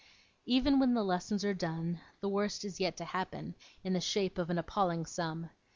Even when the lessons are done, the worst is yet to happen, in the shape of an appalling sum.